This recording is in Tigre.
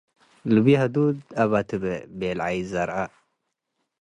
“ልብዬ ሀዱድ አበ” ትቤ በልዒት ዘርአ።